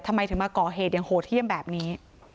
ทำไมถึงมาก่อเหตุอย่างโหดเยี่ยมแบบนี้